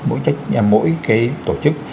mỗi cái tổ chức